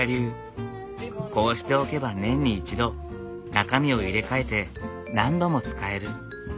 こうしておけば年に一度中身を入れ替えて何度も使える。